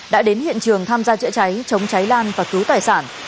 đã đến hiện trường tham gia chữa cháy chống cháy lan và cứu tài sản